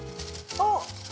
あっ！